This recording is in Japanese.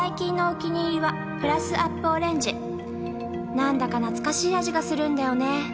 「なんだか懐かしい味がするんだよね」